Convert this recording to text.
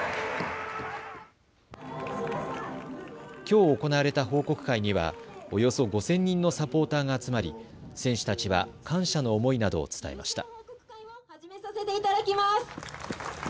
きょう行われた報告会にはおよそ５０００人のサポーターが集まり選手たちは感謝の思いなどを伝えました。